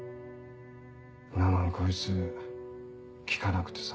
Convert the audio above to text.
なのにこいつ聞かなくてさ。